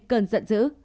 cơn giận dữ